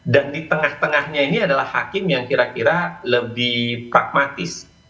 dan di tengah tengahnya ini adalah hakim yang kira kira lebih pragmatis